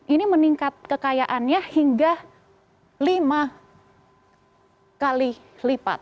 ini meningkat kekayaannya hingga lima kali lipat